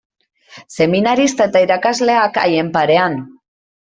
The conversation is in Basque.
Seminarista eta irakasleak haien parean.